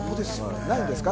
ないですか？